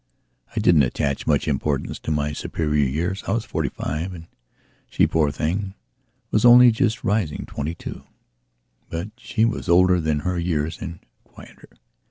I didn't attach much importance to my superior years. I was forty five, and she, poor thing, was only just rising twenty two. But she was older than her years and quieter.